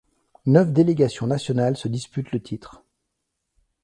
Neuf délégations nationales se disputent le titre.